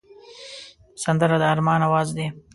سندره د ارمان آواز دی